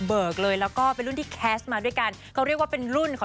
ประวัติศาสตร์เนี่ยแหละ